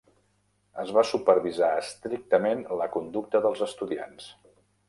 Es va supervisar estrictament la conducta dels estudiants.